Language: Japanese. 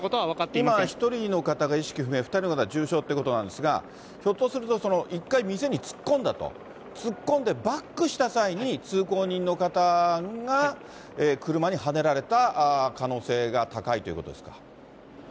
今、１人の方が意識不明、２人の方、重傷ってことなんですが、ひょっとすると、一回店に突っ込んだと、突っ込んでバックした際に、通行人の方が車にはねられた可能性が高いということですか。